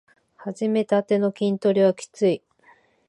はじめたての筋トレはきつい